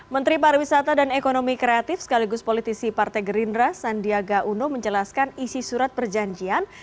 menteri pariwisata dan ekonomi kreatif sekaligus politisi partai gerindra sandiaga uno menjelaskan isi surat perjanjian